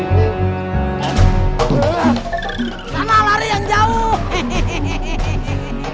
sana lari yang jauh